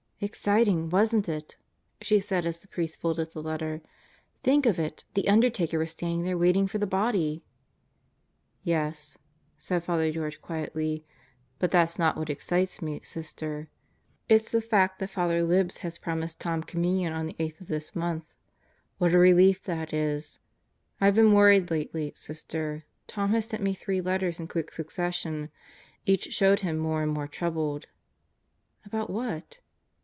"Exciting, wasn't it?" she said as the priest folded the letter. "Think of it: the undertaker was standing there waiting for the body I" "Yes," said Father George quietly. "But that's not what excites me, Sister. It's the fact that Father Libs has promised Tom Com munion on the eighth of this month. What a relief that is! I've been worried lately, Sister. Tom has sent me three letters in quick succession. Each showed him more and more troubled," "About what?"